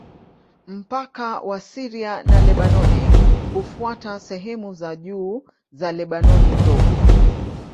Mpaka wa Syria na Lebanoni hufuata sehemu za juu za Lebanoni Ndogo.